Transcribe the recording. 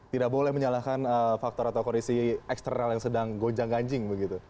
tidak boleh menyalahkan faktor atau kondisi eksternal yang sedang gonjang ganjing begitu